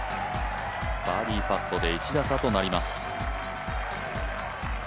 バーディーパットで１打差となります。